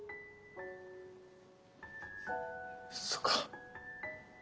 そうか。